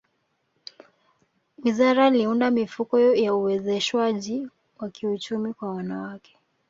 wizara liunda mifuko ya uwezeshwaji wa kiuchumi kwa wanawake